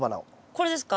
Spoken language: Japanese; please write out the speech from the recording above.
これですか？